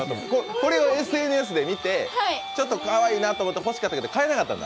これをＳＮＳで見てかわいいなと思って欲しかったけど買えなかったんだ。